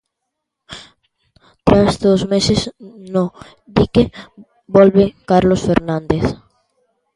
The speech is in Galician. Tras dous meses no dique, volve Carlos Fernández.